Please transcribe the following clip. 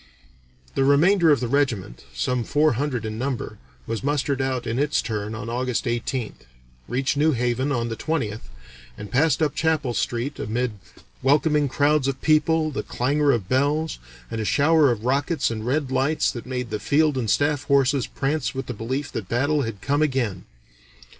The remainder of the regiment, some four hundred in number, was mustered out in its turn on August 18th, reached New Haven on the 20th, and "passed up Chapel Street amid welcoming crowds of people, the clangor of bells, and a shower of rockets and red lights that made the field and staff horses prance with the belief that battle had come again.